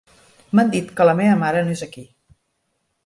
M'han dit que la meva mare no és aquí.